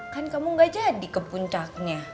kan kamu gak jadi ke puncaknya